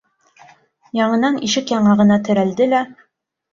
Яңынан ишек яңағына терәлде лә: